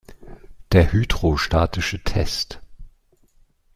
Der hydrostatische Test.